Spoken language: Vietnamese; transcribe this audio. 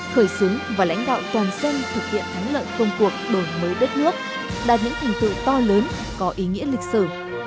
khởi xướng và lãnh đạo toàn dân thực hiện thắng lợi công cuộc đổi mới đất nước đạt những thành tựu to lớn có ý nghĩa lịch sử